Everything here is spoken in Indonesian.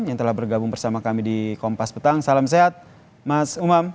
yang telah bergabung bersama kami di kompas petang salam sehat mas umam